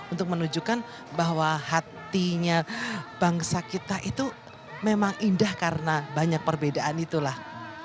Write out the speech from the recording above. untuk menunjukkan bahwa hatinya bangsa kita itu memang indah karena banyak perbedaan itulah